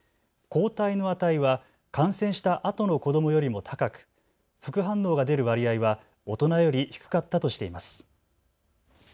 抗体の値は感染したあとの子どもよりも高く、副反応が出る割合は大人より低かったとしています。